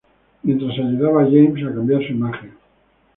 Mientras ayudaba a James a cambiar su imagen.